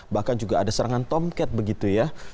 bahkan juga ada serangan tomket begitu ya